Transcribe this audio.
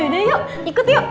yaudah yuk ikut yuk